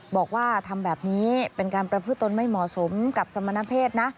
บอกว่าทำแบบนี้เป็นการประพฤตนไม่เหมาะสมกับสมณเพศนะ